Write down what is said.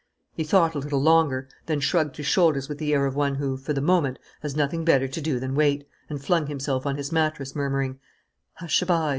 He thought a little longer, then shrugged his shoulders with the air of one who, for the moment, has nothing better to do than wait, and flung himself on his mattress, murmuring: "Hushaby, Lupin!"